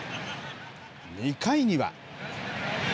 ２回には。